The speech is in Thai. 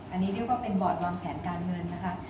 อันนี้เรียกว่าเป็นบอร์ดวางแผนการเงินนะคะ